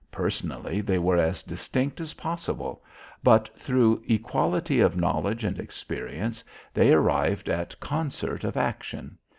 Personally they were as distinct as possible, but through equality of knowledge and experience, they arrived at concert of action.